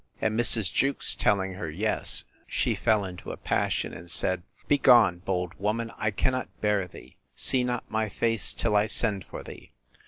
And Mrs. Jewkes telling her yes, she fell into a passion, and said, Begone, bold woman, I cannot bear thee! See not my face till I send for thee!